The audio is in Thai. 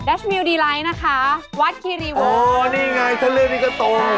ดัชมิวดีไลค์นะคะวัดคีรีเวิร์ดอ๋อนี่ไงถ้าเล่นนี่ก็ตรง